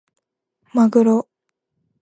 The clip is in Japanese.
まぐろ